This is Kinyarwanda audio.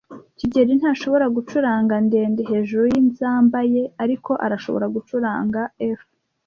kigeli ntashobora gucuranga ndende hejuru yinzamba ye, ariko arashobora gucuranga F.